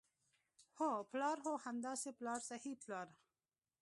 هو، پلار، هو همداسې پلار صحیح وو، پلار.